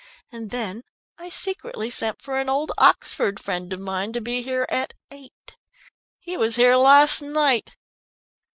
And then I secretly sent for an old Oxford friend of mine to be here at eight he was here last night."